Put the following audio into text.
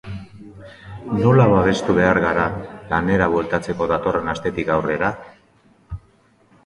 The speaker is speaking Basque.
Nola babestu behar gara lanera bueltatzeko datorren astetik aurrera?